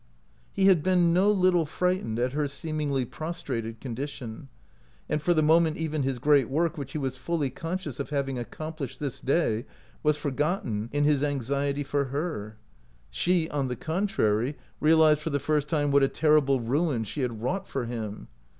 He had been no little frightened at her seemingly prostrated condition, and for the moment even his great work, which he was fully conscious of having accomplished this day, was forgotten in his anxiety for her. OUT OF BOHEMIA She, on the contrary, realized for the first time what a terrible ruin she had wrought for him.